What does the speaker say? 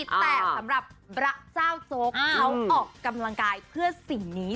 แต่สำหรับพระเจ้าโจ๊กเขาออกกำลังกายเพื่อสิ่งนี้